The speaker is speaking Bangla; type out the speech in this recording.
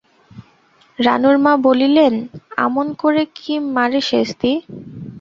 রানুর মা বলিলেন-আমন করে কি মারে সেজদি?